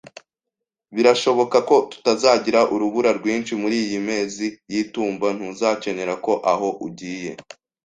Birashoboka ko tutazagira urubura rwinshi muriyi mezi y'itumba Ntuzakenera ko aho ugiye